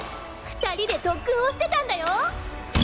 ２人で特訓をしてたんだよ。